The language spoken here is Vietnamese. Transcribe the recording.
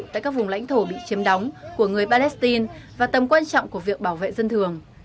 tại các vùng lãnh thổ bị chiếm đóng của người palestine và tầm quan trọng của việc bảo vệ dân thường